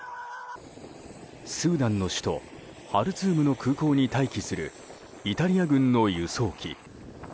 スーダンの首都ハルツームの空港に待機するイタリア軍の輸送機。